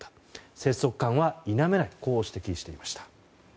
拙速感は否めないと指摘していました。